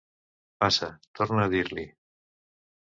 Passa —torna a dir-li.